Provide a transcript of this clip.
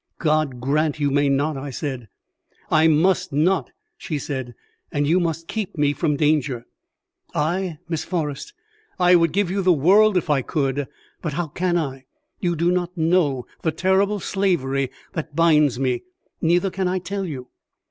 "God grant you may not," I said. "I must not," she said, "and you must keep me from danger." "I, Miss Forrest! I would give the world if I could: but how can I? You do not know the terrible slavery that binds me, neither can I tell you."